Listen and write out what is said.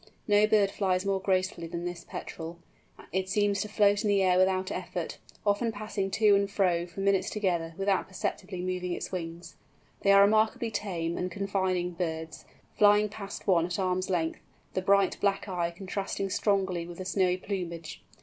No bird flies more gracefully than this Petrel; it seems to float in the air without effort, often passing to and fro for minutes together without perceptibly moving its wings. They are remarkably tame and confiding birds, flying past one at arm's length, the bright black eye contrasting strongly with the snowy plumage.